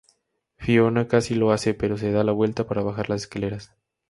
Fiona casi lo hace, pero se da la vuelta para bajar las escaleras.